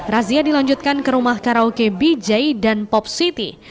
razia dilanjutkan ke rumah karaoke bijai dan pop city